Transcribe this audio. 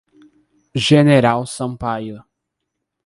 General Sampaio